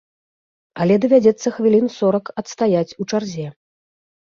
Але давядзецца хвілін сорак адстаяць у чарзе.